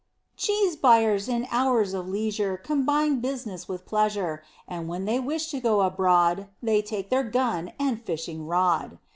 Cheese buyers in hours of leisure Combine business with pleasure, And when they wish to go abroad They take their gun and fishing rod.